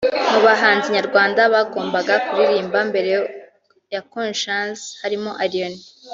Mu bahanzi nyarwanda bagombaga kuririmba mbere ya Konshens harimo Allioni